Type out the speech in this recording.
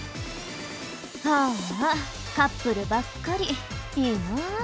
ああカップルばっかりいいなあ。